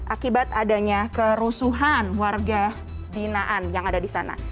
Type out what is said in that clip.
akibat adanya kerusuhan warga binaan yang ada di sana